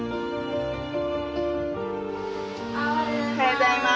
おはようございます。